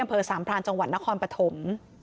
อำเภอสามพรานจังหวัดนครปฐม